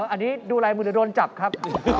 อันนี้ดูลายมือเดี๋ยวโดนจับครับ